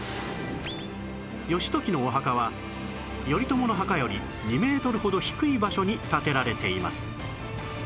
義時のお墓は頼朝の墓より２メートルほど低い場所に建てられています